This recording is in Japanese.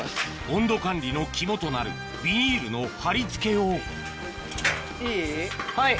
温度管理の肝となるビニールの張り付けをいい？